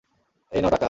এই নাও টাকা।